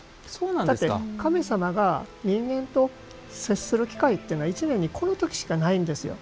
だって、神様が人間と接する機会というのは１年に、この時しかないんですよ。